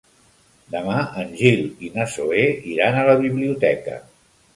Demà en Gil i na Zoè iran a la biblioteca.